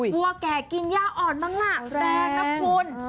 วัวแก่กินย่าอ่อนบ้างล่ะแรงนะคุณ